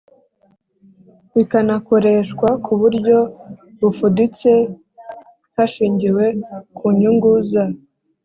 Bikanakoreshwa ku buryo bufuditse hashingiwe ku nyungu za